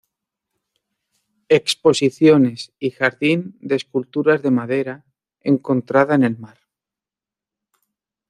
Exposiciones y jardín de esculturas de madera encontrada en el mar.